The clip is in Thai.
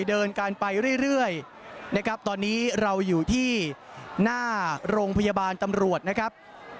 เดินการไปเรื่อยนะครับตอนนี้เราอยู่ที่หน้าโรงพยาบาลตำรวจนะครับ